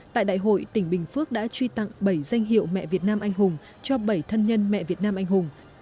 tại đại hội tỉnh bình phước đã truy tặng bảy danh hiệu mẹ việt nam anh hùng cho bảy thân nhân mẹ việt nam anh hùng